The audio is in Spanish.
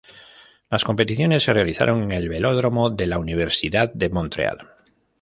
Las competiciones se realizaron en el velódromo de la Universidad de Montreal.